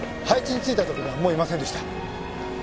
配置に就いたときにはもういませんでした。